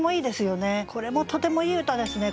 これもとてもいい歌ですね。